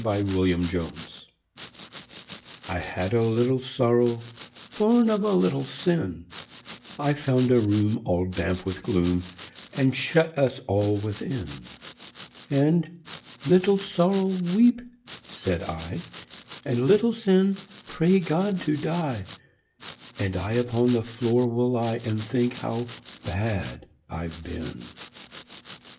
63 The Penitent I had a little Sorrow, Born of a little Sin, I found a room all damp with gloom And shut us all within; And, "Little Sorrow, weep," said I, "And, Little Sin, pray God to die, And I upon the floor will lie And think how bad I've been!"